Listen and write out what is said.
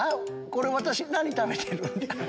これ私何食べてるんだ？